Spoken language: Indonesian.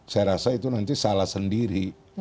saya rasa itu nanti salah sendiri